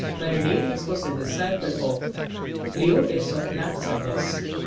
L MENEDEMUS was a disciple of Celotes of Lampsacus.